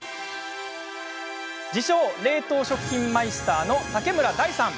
自称冷凍食品マイスターのタケムラダイさん。